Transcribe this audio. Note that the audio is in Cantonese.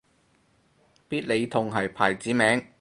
必理痛係牌子名